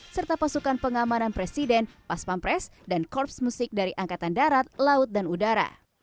serta pasukan pengamanan presiden pas pampres dan korps musik dari angkatan darat laut dan udara